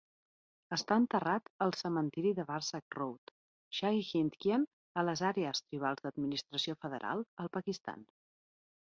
Està enterrat al cementiri de Warsak Road, Shagi Hindkyan, a les àrees tribals d'administració federal, al Pakistan.